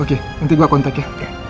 oke nanti gue kontak ya